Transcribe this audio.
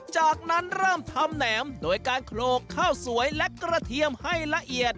จากนั้นเริ่มทำแหนมโดยการโขลกข้าวสวยและกระเทียมให้ละเอียด